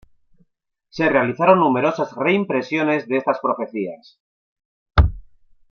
Se realizaron numerosas reimpresiones de estas profecías.